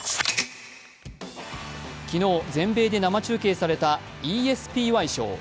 昨日、全米で生中継されたＥＳＰＹ賞。